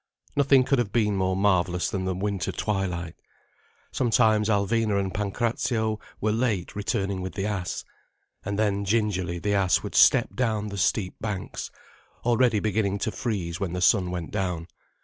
Nothing could have been more marvellous than the winter twilight. Sometimes Alvina and Pancrazio were late returning with the ass. And then gingerly the ass would step down the steep banks, already beginning to freeze when the sun went down.